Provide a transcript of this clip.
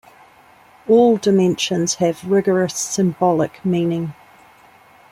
All dimensions have rigorous symbolic meaning.